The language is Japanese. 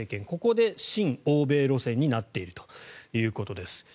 ここで親欧米路線になっているということです。